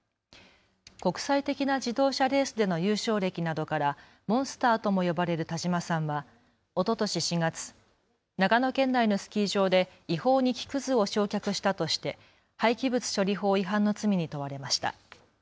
国際的な自動車レースでの優勝歴などからモンスターとも呼ばれる田嶋さんはおととし４月、長野県内のスキー場で違法に木くずを焼却したとして廃棄物処理法違反の罪に問われました。